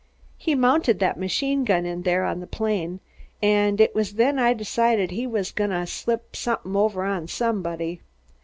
He mounted that machine gun in there on the plane, an' it was then I decided he was a goin' to slip somepin over on somebody.